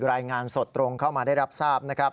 รายงานสดตรงเข้ามาได้รับทราบนะครับ